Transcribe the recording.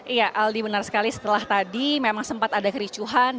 iya aldi benar sekali setelah tadi memang sempat ada kericuhan